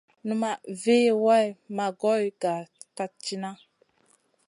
Numaʼ vi way maʼ goy ga kat tina.